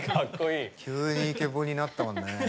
急にイケボになったわね。